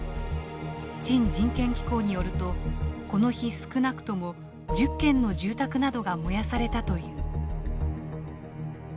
チン人権機構によるとこの日少なくとも１０軒の住宅などが燃やされたという。